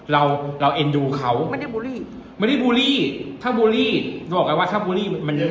เราเราเอ็นดูเขาไม่ได้บูลลี่ไม่ได้บูลลี่ถ้าบูลลี่บอกไงว่าถ้าบูลลี่มันมันเยอะ